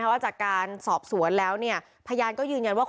ว่าจากการสอบสวนแล้วพยานก็ยืนยันว่า